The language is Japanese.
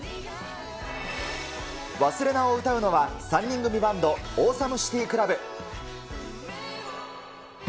勿忘を歌うのは、３人組バンド、オーサムシティクラブ。